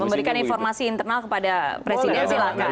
memberikan informasi internal kepada presiden silahkan